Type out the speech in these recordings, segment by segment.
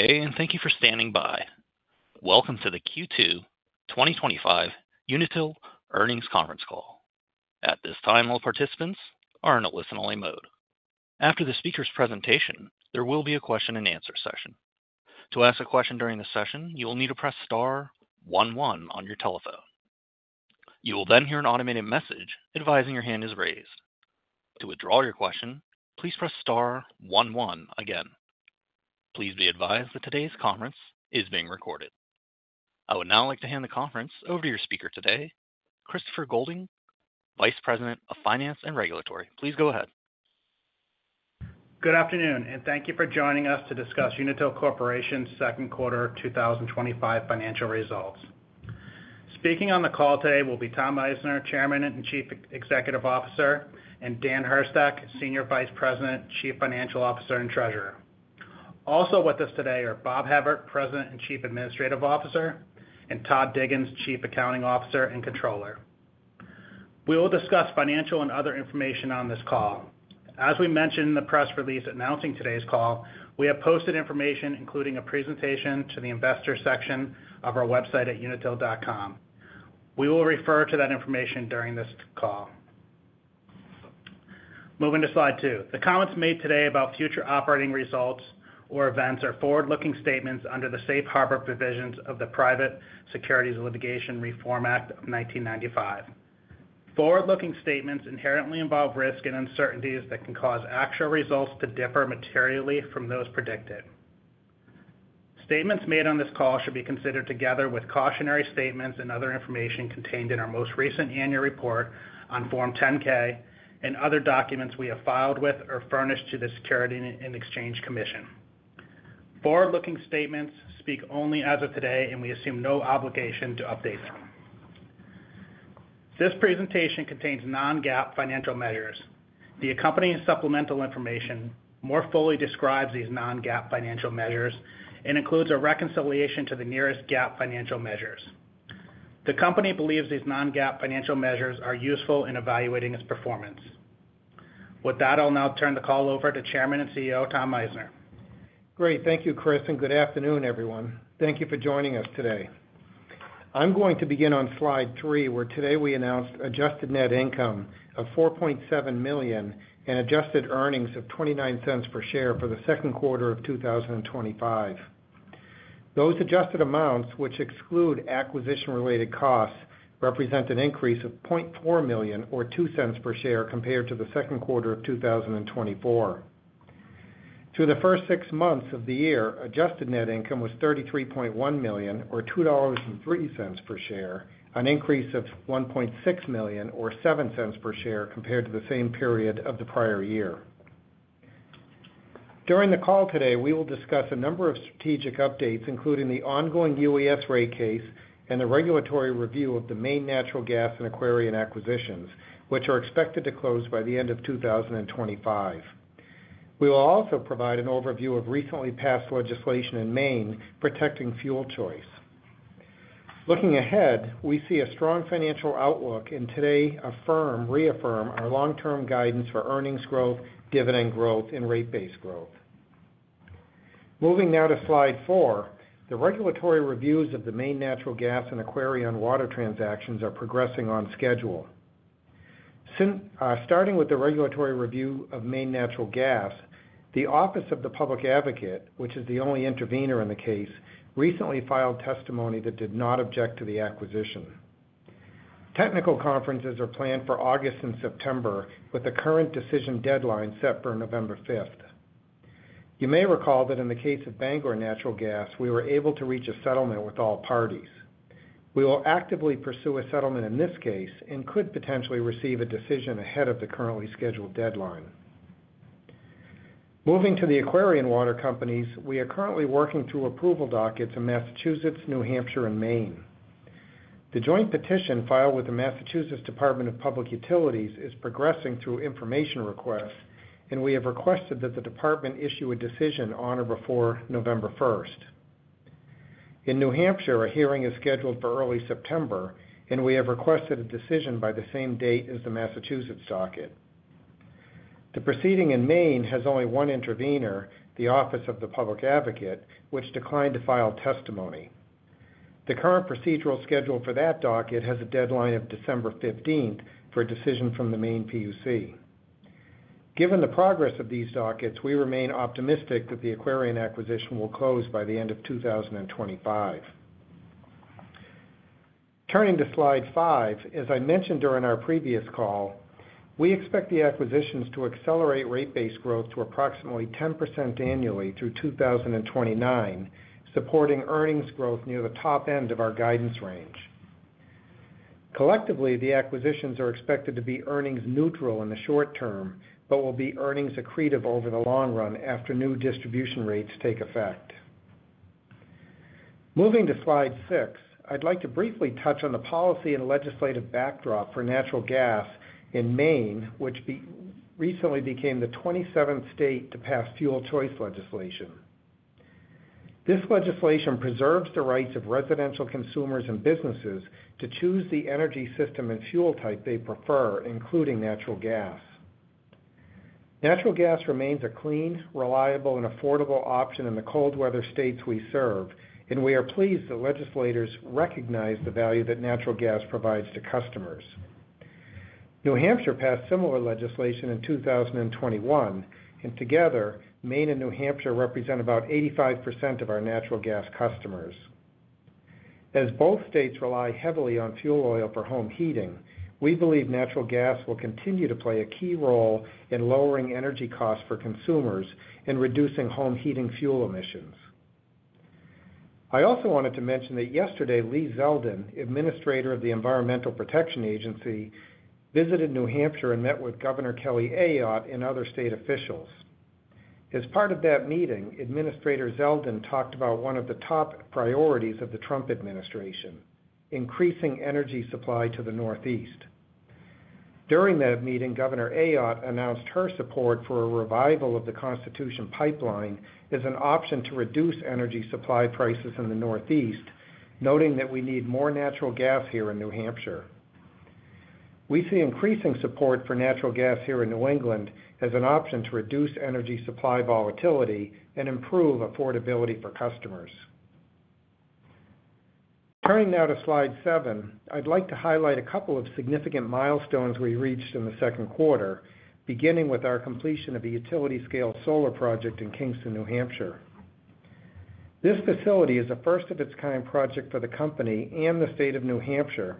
Today, and thank you for standing by. Welcome to the Q2 2025 Unitil Earnings Conference Call. At this time, all participants are in a listen-only mode. After the speaker's presentation, there will be a question-and-answer session. To ask a question during the session, you will need to press star one one on your telephone. You will then hear an automated message advising your hand is raised. To withdraw your question, please press star one one again. Please be advised that today's conference is being recorded. I would now like to hand the conference over to your speaker today, Christopher Goulding, Vice President of Finance and Regulatory. Please go ahead. Good afternoon, and thank you for joining us to discuss Unitil Corporation's second quarter 2025 financial results. Speaking on the call today will be Tom Meissner, Chairman and Chief Executive Officer, and Daniel Hurstak, Chief Financial Officer and Treasurer. Also with us today are Bob Hevert, President and Chief Administrative Officer, and Todd Diggins, Chief Accounting Officer. We will discuss financial and other information on this call. As we mentioned in the press release announcing today's call, we have posted information including a presentation to the investor section of our website at Unitil.com. We will refer to that information during this call. Moving to slide two, the comments made today about future operating results or events are forward-looking statements under the safe harbor provisions of the Private Securities Litigation Reform Act of 1995. Forward-looking statements inherently involve risks and uncertainties that can cause actual results to differ materially from those predicted. Statements made on this call should be considered together with cautionary statements and other information contained in our most recent annual report on Form 10-K and other documents we have filed with or furnished to the Securities and Exchange Commission. Forward-looking statements speak only as of today, and we assume no obligation to update them. This presentation contains non-GAAP financial measures. The accompanying supplemental information more fully describes these non-GAAP financial measures and includes a reconciliation to the nearest GAAP financial measures. The company believes these non-GAAP financial measures are useful in evaluating its performance. With that, I'll now turn the call over to Chairman and CEO Tom Meissner. Great, thank you, Chris, and good afternoon, everyone. Thank you for joining us today. I'm going to begin on slide three, where today we announced adjusted net income of $4.7 million and adjusted earnings of $0.29 per share for the second quarter of 2025. Those adjusted amounts, which exclude acquisition-related costs, represent an increase of $0.4 million or $0.02 per share compared to the second quarter of 2024. Through the first six months of the year, adjusted net income was $33.1 million or $2.03 per share, an increase of $1.6 million or $0.07 per share compared to the same period of the prior year. During the call today, we will discuss a number of strategic updates, including the ongoing UES rate case and the regulatory review of the Maine Natural Gas and Aquarion Water Company acquisitions, which are expected to close by the end of 2025. We will also provide an overview of recently passed legislation in Maine protecting fuel choice. Looking ahead, we see a strong financial outlook and today reaffirm our long-term guidance for earnings growth, dividend growth, and rate base growth. Moving now to slide four, the regulatory reviews of the Maine Natural Gas and Aquarion Water Company transactions are progressing on schedule. Starting with the regulatory review of Maine Natural Gas, the Office of the Public Advocate, which is the only intervener in the case, recently filed testimony that did not object to the acquisition. Technical conferences are planned for August and September, with the current decision deadline set for November 5th. You may recall that in the case of Bangor Natural Gas, we were able to reach a settlement with all parties. We will actively pursue a settlement in this case and could potentially receive a decision ahead of the currently scheduled deadline. Moving to the Aquarion Water Company, we are currently working through approval dockets in Massachusetts, New Hampshire, and Maine. The joint petition filed with the Massachusetts Department of Public Utilities is progressing through information requests, and we have requested that the department issue a decision on or before November 1st. In New Hampshire, a hearing is scheduled for early September, and we have requested a decision by the same date as the Massachusetts docket. The proceeding in Maine has only one intervener, the Office of the Public Advocate, which declined to file testimony. The current procedural schedule for that docket has a deadline of December 15 for a decision from the Maine PUC. Given the progress of these dockets, we remain optimistic that the Aquarion Water Company acquisition will close by the end of 2025. Turning to slide five, as I mentioned during our previous call, we expect the acquisitions to accelerate rate base growth to approximately 10% annually through 2029, supporting earnings growth near the top end of our guidance range. Collectively, the acquisitions are expected to be earnings neutral in the short term, but will be earnings accretive over the long run after new distribution rates take effect. Moving to slide six, I'd like to briefly touch on the policy and legislative backdrop for natural gas in Maine, which recently became the 27th state to pass fuel choice legislation. This legislation preserves the rights of residential consumers and businesses to choose the energy system and fuel type they prefer, including natural gas. Natural gas remains a clean, reliable, and affordable option in the cold weather states we serve, and we are pleased that legislators recognize the value that natural gas provides to customers. New Hampshire passed similar legislation in 2021, and together, Maine and New Hampshire represent about 85% of our natural gas customers. As both states rely heavily on fuel oil for home heating, we believe natural gas will continue to play a key role in lowering energy costs for consumers and reducing home heating fuel emissions. I also wanted to mention that yesterday, Michael Regan, Administrator of the Environmental Protection Agency, visited New Hampshire and met with Governor Chris Sununu and other state officials. As part of that meeting, Administrator Regan talked about one of the top priorities of the Biden administration, increasing energy supply to the Northeast. During that meeting, Governor Sununu announced his support for a revival of the Constitution pipeline as an option to reduce energy supply prices in the Northeast, noting that we need more natural gas here in New Hampshire. We see increasing support for natural gas here in New England as an option to reduce energy supply volatility and improve affordability for customers. Turning now to slide seven, I'd like to highlight a couple of significant milestones we reached in the second quarter, beginning with our completion of a utility-scale solar project in Kingston, New Hampshire. This facility is a first-of-its-kind project for the company and the state of New Hampshire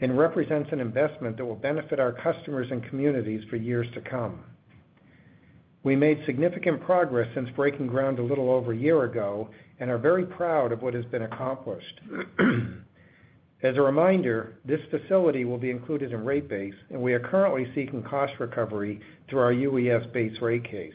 and represents an investment that will benefit our customers and communities for years to come. We made significant progress since breaking ground a little over a year ago and are very proud of what has been accomplished. As a reminder, this facility will be included in rate base, and we are currently seeking cost recovery through our UES base rate case.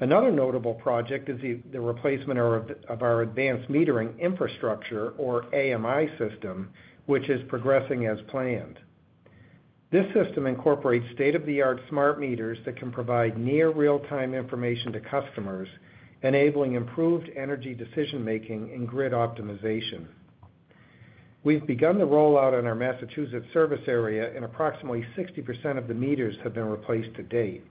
Another notable project is the replacement of our advanced metering infrastructure, or AMI system, which is progressing as planned. This system incorporates state-of-the-art smart meters that can provide near real-time information to customers, enabling improved energy decision-making and grid optimization. We've begun the rollout in our Massachusetts service area, and approximately 60% of the meters have been replaced to date.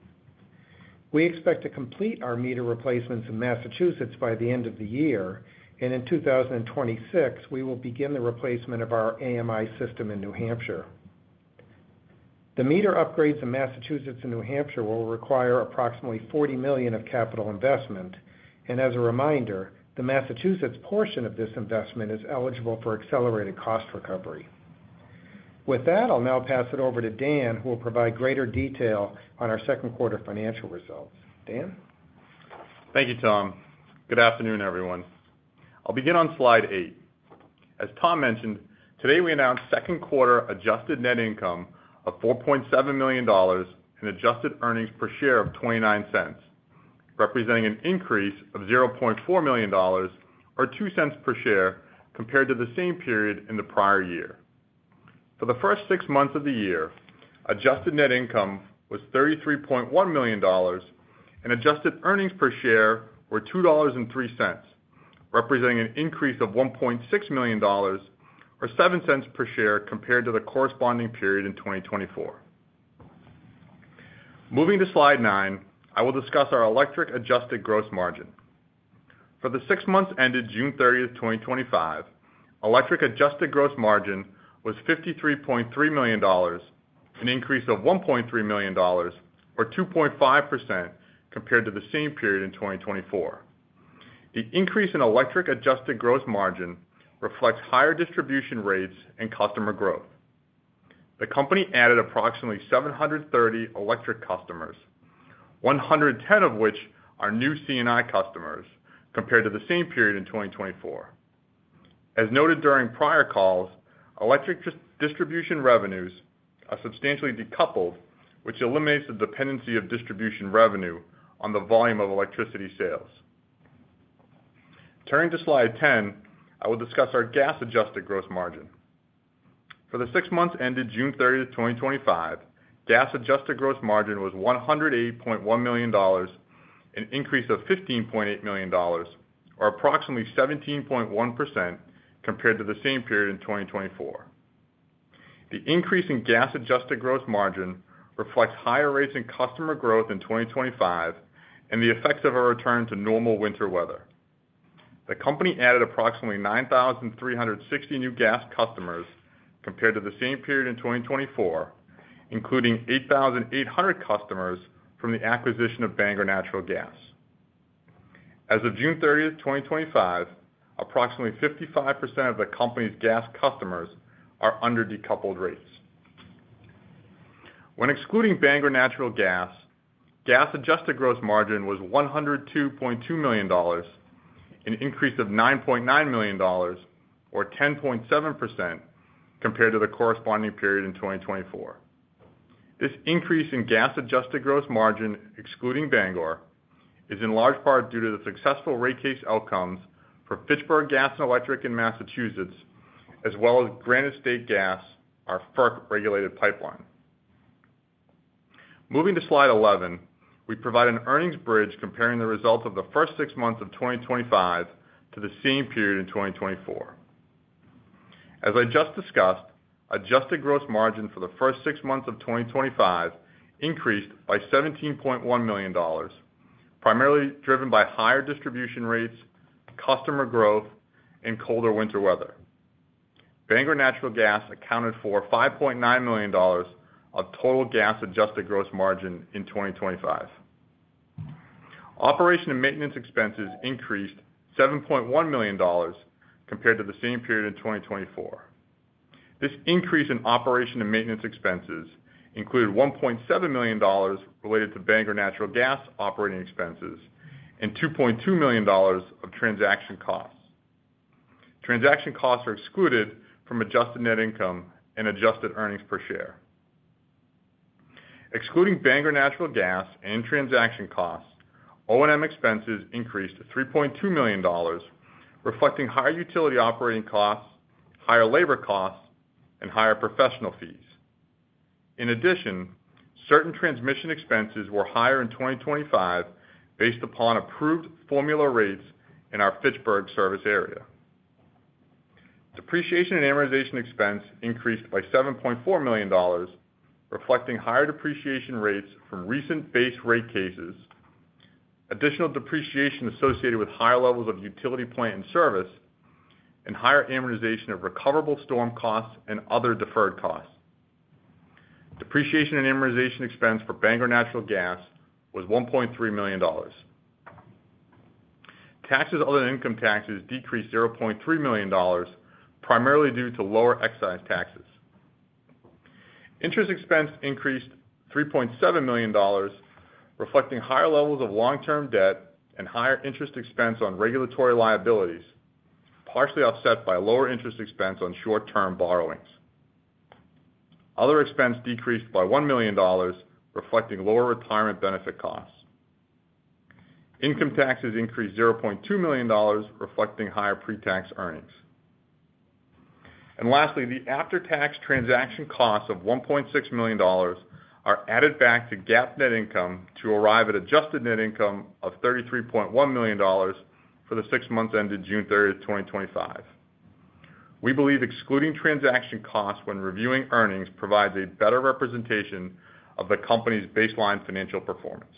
We expect to complete our meter replacements in Massachusetts by the end of the year, and in 2026, we will begin the replacement of our AMI system in New Hampshire. The meter upgrades in Massachusetts and New Hampshire will require approximately $40 million of capital investment, and as a reminder, the Massachusetts portion of this investment is eligible for accelerated cost recovery. With that, I'll now pass it over to Dan, who will provide greater detail on our second quarter financial results. Dan? Thank you, Tom. Good afternoon, everyone. I'll begin on slide eight. As Tom mentioned, today we announced second quarter adjusted net income of $4.7 million and adjusted earnings per share of $0.29, representing an increase of $0.4 million or $0.02 per share compared to the same period in the prior year. For the first six months of the year, adjusted net income was $33.1 million, and adjusted earnings per share were $2.03, representing an increase of $1.6 million or $0.07 per share compared to the corresponding period in 2024. Moving to slide nine, I will discuss our electric adjusted gross margin. For the six months ended June 30, 2025, electric adjusted gross margin was $53.3 million, an increase of $1.3 million or 2.5% compared to the same period in 2024. The increase in electric adjusted gross margin reflects higher distribution rates and customer growth. The company added approximately 730 electric customers, 110 of which are new CNI customers compared to the same period in 2024. As noted during prior calls, electric distribution revenues are substantially decoupled, which eliminates the dependency of distribution revenue on the volume of electricity sales. Turning to slide 10, I will discuss our gas adjusted gross margin. For the six months ended June 30, 2025, gas adjusted gross margin was $180.1 million, an increase of $15.8 million or approximately 17.1% compared to the same period in 2024. The increase in gas adjusted gross margin reflects higher rates and customer growth in 2025 and the effects of a return to normal winter weather. The company added approximately 9,360 new gas customers compared to the same period in 2024, including 8,800 customers from the acquisition of Bangor Natural Gas. As of June 30, 2025, approximately 55% of the company's gas customers are under decoupled rates. When excluding Bangor Natural Gas, gas adjusted gross margin was $102.2 million, an increase of $9.9 million or 10.7% compared to the corresponding period in 2024. This increase in gas adjusted gross margin, excluding Bangor, is in large part due to the successful rate case outcomes for Fitchburg Gas and Electric Light Company in Massachusetts, as well as Granite State Gas Transmission, our FERC-regulated pipeline. Moving to slide 11, we provide an earnings bridge comparing the results of the first six months of 2025 to the same period in 2024. As I just discussed, adjusted gross margin for the first six months of 2025 increased by $17.1 million, primarily driven by higher distribution rates, customer growth, and colder winter weather. Bangor Natural Gas accounted for $5.9 million of total gas adjusted gross margin in 2025. Operation and maintenance expenses increased $7.1 million compared to the same period in 2024. This increase in operation and maintenance expenses included $1.7 million related to Bangor Natural Gas operating expenses and $2.2 million of transaction costs. Transaction costs are excluded from adjusted net income and adjusted earnings per share. Excluding Bangor Natural Gas and transaction costs, O&M expenses increased to $3.2 million, reflecting higher utility operating costs, higher labor costs, and higher professional fees. In addition, certain transmission expenses were higher in 2025 based upon approved formula rates in our Fitchburg service area. Depreciation and amortization expense increased by $7.4 million, reflecting higher depreciation rates from recent base rate cases, additional depreciation associated with higher levels of utility plant in service, and higher amortization of recoverable storm costs and other deferred costs. Depreciation and amortization expense for Bangor Natural Gas was $1.3 million. Taxes other than income taxes decreased $0.3 million, primarily due to lower excise taxes. Interest expense increased $3.7 million, reflecting higher levels of long-term debt and higher interest expense on regulatory liabilities, partially offset by lower interest expense on short-term borrowings. Other expense decreased by $1 million, reflecting lower retirement benefit costs. Income taxes increased $0.2 million, reflecting higher pre-tax earnings. The after-tax transaction costs of $1.6 million are added back to GAAP net income to arrive at adjusted net income of $33.1 million for the six months ended June 30th, 2025. We believe excluding transaction costs when reviewing earnings provides a better representation of the company's baseline financial performance.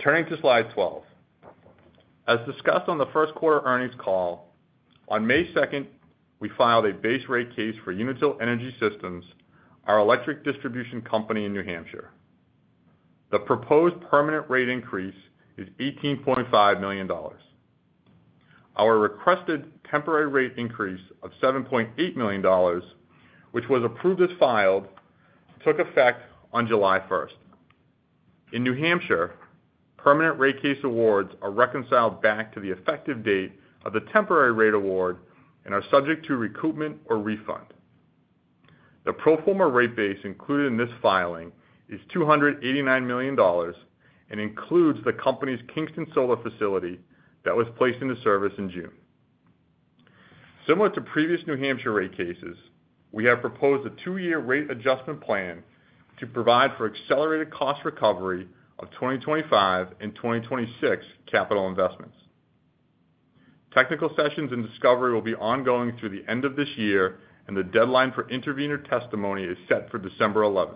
Turning to slide 12. As discussed on the first quarter earnings call, on May 2nd, we filed a base rate case for Unitil Energy Systems, our electric distribution company in New Hampshire. The proposed permanent rate increase is $18.5 million. Our requested temporary rate increase of $7.8 million, which was approved as filed, took effect on July 1st. In New Hampshire, permanent rate case awards are reconciled back to the effective date of the temporary rate award and are subject to recoupment or refund. The pro forma rate base included in this filing is $289 million and includes the company's Kingston solar facility that was placed into service in June. Similar to previous New Hampshire rate cases, we have proposed a two-year rate adjustment plan to provide for accelerated cost recovery of 2025 and 2026 capital investments. Technical sessions and discovery will be ongoing through the end of this year, and the deadline for intervener testimony is set for December 11.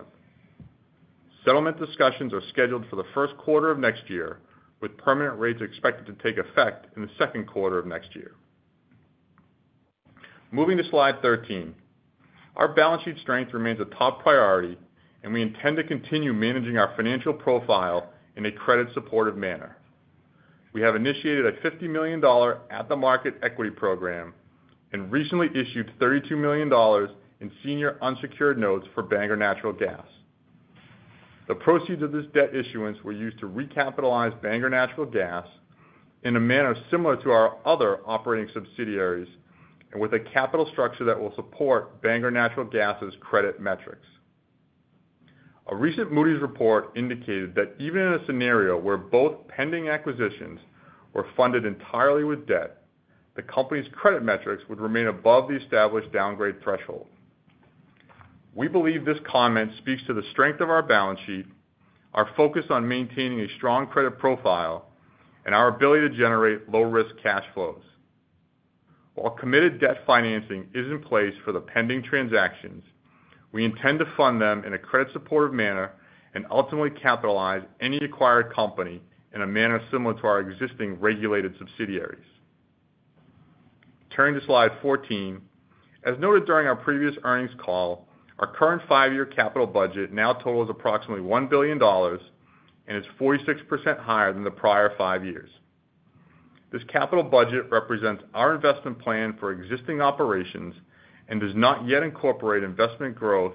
Settlement discussions are scheduled for the first quarter of next year, with permanent rates expected to take effect in the second quarter of next year. Moving to slide 13. Our balance sheet strength remains a top priority, and we intend to continue managing our financial profile in a credit-supportive manner. We have initiated a $50 million at-the-market equity program and recently issued $32 million in senior unsecured notes for Bangor Natural Gas. The proceeds of this debt issuance were used to recapitalize Bangor Natural Gas in a manner similar to our other operating subsidiaries and with a capital structure that will support Bangor Natural Gas's credit metrics. A recent Moody's report indicated that even in a scenario where both pending acquisitions were funded entirely with debt, the company's credit metrics would remain above the established downgrade threshold. We believe this comment speaks to the strength of our balance sheet, our focus on maintaining a strong credit profile, and our ability to generate low-risk cash flows. While committed debt financing is in place for the pending transactions, we intend to fund them in a credit-supportive manner and ultimately capitalize any acquired company in a manner similar to our existing regulated subsidiaries. Turning to slide 14. As noted during our previous earnings call, our current five-year capital budget now totals approximately $1 billion and is 46% higher than the prior five years. This capital budget represents our investment plan for existing operations and does not yet incorporate investment growth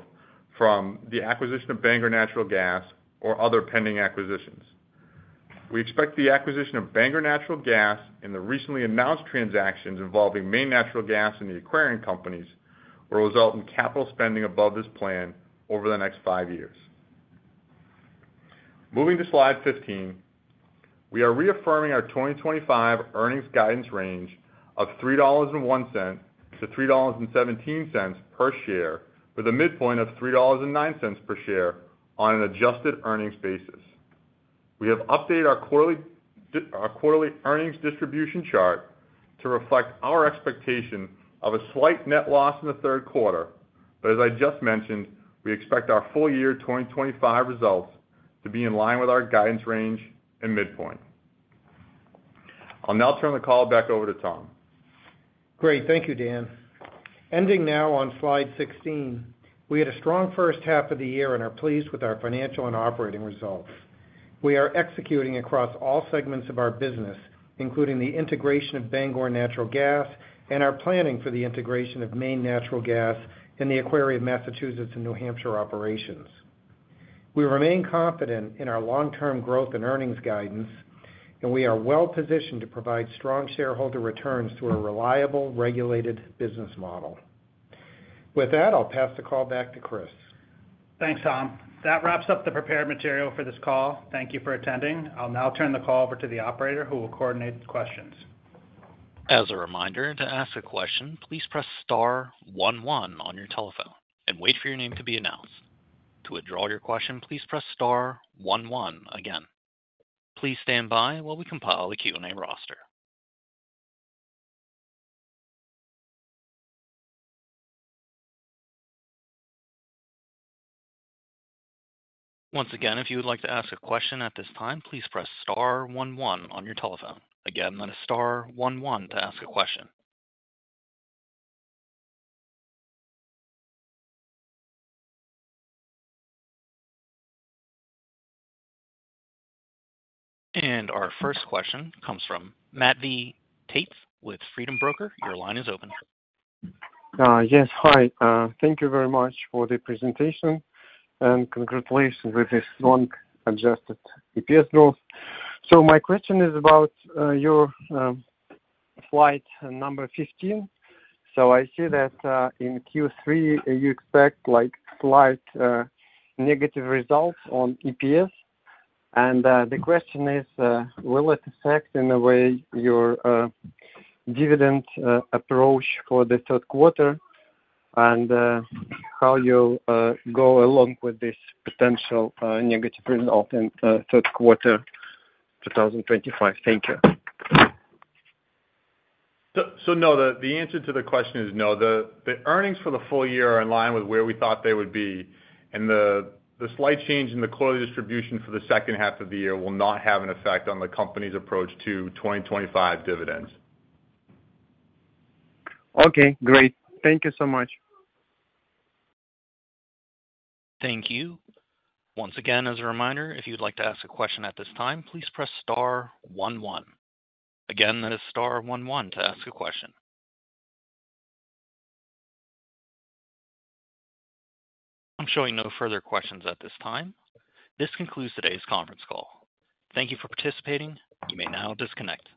from the acquisition of Bangor Natural Gas or other pending acquisitions. We expect the acquisition of Bangor Natural Gas and the recently announced transactions involving Maine Natural Gas and the Aquarion Water Company will result in capital spending above this plan over the next five years. Moving to slide 15, we are reaffirming our 2025 earnings guidance range of $3.01-$3.17 per share with a midpoint of $3.09 per share on an adjusted earnings basis. We have updated our quarterly earnings distribution chart to reflect our expectation of a slight net loss in the third quarter, but as I just mentioned, we expect our full-year 2025 results to be in line with our guidance range and midpoint. I'll now turn the call back over to Tom. Great, thank you, Dan. Ending now on slide 16, we had a strong first half of the year and are pleased with our financial and operating results. We are executing across all segments of our business, including the integration of Bangor Natural Gas and our planning for the integration of Maine Natural Gas and the Aquarion Massachusetts and New Hampshire operations. We remain confident in our long-term growth and earnings guidance, and we are well positioned to provide strong shareholder returns to a reliable, regulated business model. With that, I'll pass the call back to Chris. Thanks, Tom. That wraps up the prepared material for this call. Thank you for attending. I'll now turn the call over to the operator, who will coordinate the questions. As a reminder, to ask a question, please press star one one on your telephone and wait for your name to be announced. To withdraw your question, please press star one one again. Please stand by while we compile the Q&A roster. Once again, if you would like to ask a question at this time, please press star one one on your telephone. That is star one one to ask a question. Our first question comes from Matt V. Tates] with Freedom Broker. Your line is open. Yes, hi. Thank you very much for the presentation and congratulations with this strong adjusted EPS growth. My question is about your slide number 15. I see that in Q3, you expect slight negative results on EPS. The question is, will it affect in a way your dividend approach for the third quarter and how you'll go along with this potential negative result in third quarter 2025? Thank you. No, the answer to the question is no. The earnings for the full year are in line with where we thought they would be, and the slight change in the quarterly distribution for the second half of the year will not have an effect on the company's approach to 2025 dividends. Okay, great. Thank you so much. Thank you. Once again, as a reminder, if you'd like to ask a question at this time, please press star one one. Again, that is star one one to ask a question. I'm showing no further questions at this time. This concludes today's conference call. Thank you for participating. You may now disconnect.